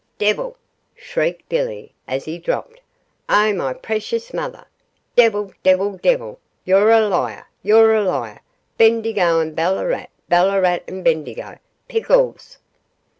'Devil!' shrieked Billy, as he dropped. 'Oh, my precious mother. Devil devil devil you're a liar you're a liar Bendigo and Ballarat Ballarat and Bendigo Pickles!